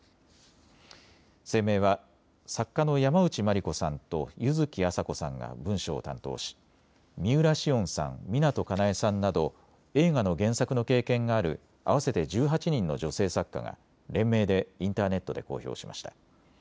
声明は作家の山内マリコさんと柚木麻子さんが文章を担当し三浦しをんさん、湊かなえさんなど映画の原作の経験がある合わせて１８人の女性作家が連名でインターネットで公表しました。